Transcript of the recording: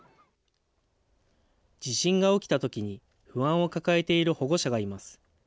地震が起きたときに不安を抱えている保護者がいます。